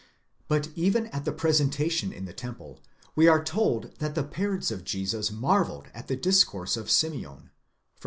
But even at the presenta tion in the temple, we are told that the parents of Jesus marvelled at the discourse of Simeon (v.